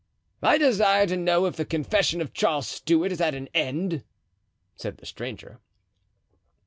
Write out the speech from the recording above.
"I desire to know if the confession of Charles Stuart is at an end?" said the stranger.